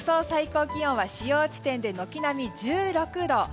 最高気温は主要地点で軒並み１６度。